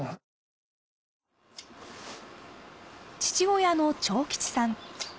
父親の朝吉さん。